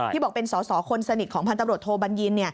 ที่บอกเป็นสอสคนสนิทของพันธบดโทบัญญิณ